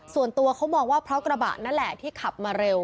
ส่วนตัวเขามองว่าเพราะกระบะนั่นแหละที่ขับมาเร็ว